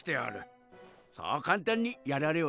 そう簡単にやられはせんよ。